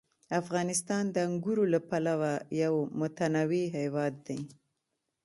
افغانستان د انګورو له پلوه یو متنوع هېواد دی.